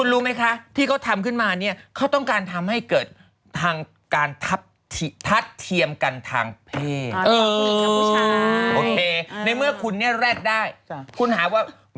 เมื่อเกิดเมื่อเสียเงินเป็นแสนแขนก็ไม่ได้จับ